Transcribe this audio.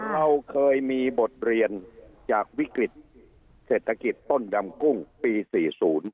เราเคยมีบทเรียนจากวิกฤตเศรษฐกิจต้นดำกุ้งปีสี่ศูนย์